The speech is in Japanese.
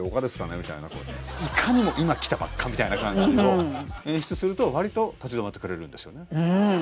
みたいないかにも今来たばっかみたいな感じの演出すると割と立ち止まってくれるんですよね。